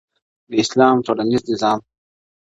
د اسلام ټولنیز نظام